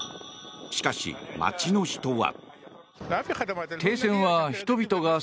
しかし、街の人は。